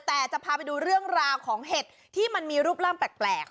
แต่จะพาไปดูเรื่องราวของเห็ดที่มันมีรูปร่างแปลก